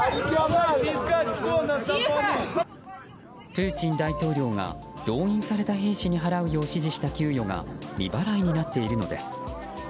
プーチン大統領が動員された兵士に払うよう指示した給与が未払いになっているのです。